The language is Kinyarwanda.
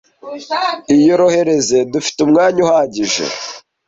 Iyorohereze. Dufite umwanya uhagije.